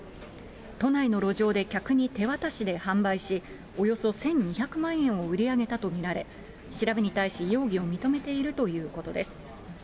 都内の路上で客に手渡しで販売し、およそ１２００万円を売り上げたと見られ、調べに対し、容疑を認めているということです。